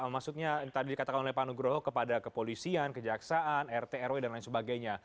maksudnya tadi dikatakan oleh pak nugroho kepada kepolisian kejaksaan rt rw dan lain sebagainya